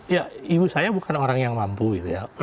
ya ibu saya bukan orang yang mampu gitu ya